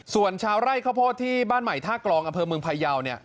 ส่วนชาวไล่ข้าวโพสที่บ้านใหม่ทากรองอเภอเมืองภายาวเนี่ย